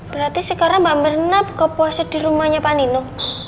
berarti sekarang mbak mirna buka puasa di rumahnya panino